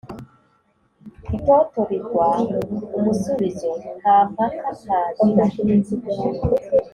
itoto rigwa umusubizo. nta mpaka ntabira